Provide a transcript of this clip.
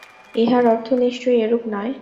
ইহার অর্থ নিশ্চয়ই এরূপ নয়।